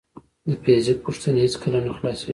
د فزیک پوښتنې هیڅکله نه خلاصېږي.